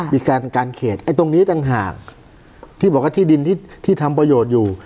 มีการการเขตไอ้ตรงนี้ต่างหากที่บอกว่าที่ดินที่ทำประโยชน์อยู่